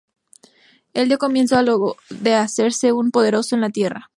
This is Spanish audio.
El dio comienzo a lo de hacerse un poderoso en la tierra.